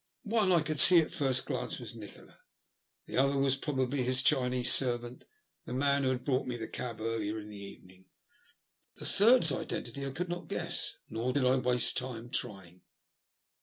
One I could see at first glance was Nikola, the other was probably his Chinese servant, the man who had brought me the cab earlier in the evening, but the third's identity I could not guess. Nor did I waste time trying.